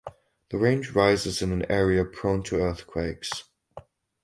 The range rises in an area prone to earthquakes.